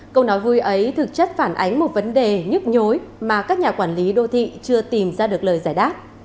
câu nói vui ấy thực chất phản ánh một vấn đề nhức nhối mà các nhà quản lý đô thị chưa tìm ra được lời giải đáp